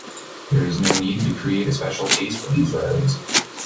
There is no need to create a special case for these roads.